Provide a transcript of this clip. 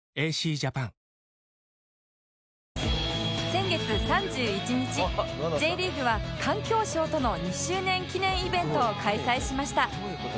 先月３１日 Ｊ リーグは環境省との２周年記念イベントを開催しました